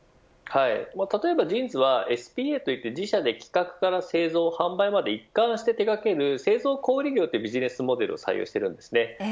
例えばＪＩＮＳは、ＳＰＡといって自社で企画から製造販売まで一貫して手掛ける製造小売りのビジネスモデルを採用しています。